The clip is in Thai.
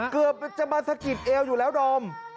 เกือบจะมาสะกิดเอวอยู่แล้วดอม